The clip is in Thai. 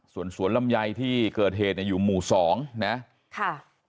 ส่วนสวนลำไยที่เกิดเหตุเนี่ยอยู่หมู่สองนะค่ะ